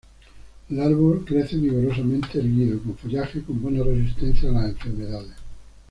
El árbol crece vigorosamente, erguido, con follaje con buena resistencia a las enfermedades.